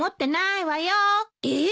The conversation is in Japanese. えっ？